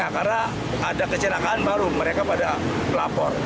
karena ada kecelakaan baru mereka pada melapor